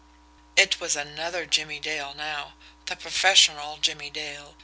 It was another Jimmie Dale now the professional Jimmie Dale.